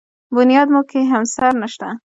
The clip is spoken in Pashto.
بنیاد مو کې همسر نشته دی.